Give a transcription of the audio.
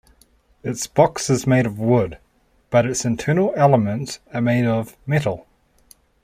Its box is made of wood, but its internal elements are made of metal.